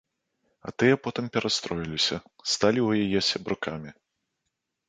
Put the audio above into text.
А тыя потым перастроіліся, сталі ў яе сябрукамі.